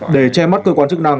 để che mắt cơ quan chức năng